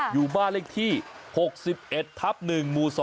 อยู่บ้านเลขที่๖๑ทับ๑หมู่๒